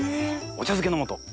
お茶漬けの素。